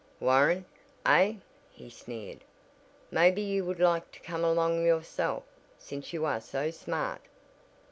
"Warrant, eh?" he sneered. "Maybe you would like to come along yourself, since you are so smart!"